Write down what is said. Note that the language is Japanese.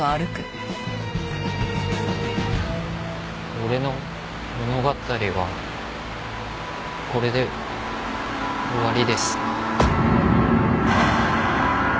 俺の物語はこれで終わりです。